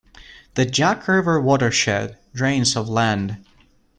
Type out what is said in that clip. The Jock River watershed drains of land.